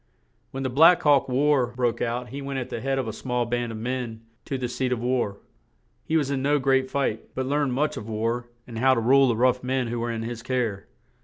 When the "Black Hawk War" broke out he went at the head of a small band of men to the seat of war; he was in no great fight, but learned much of war and how to rule the rough men who were in his care.